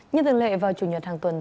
như thường lệ vào chủ nhật hàng tuần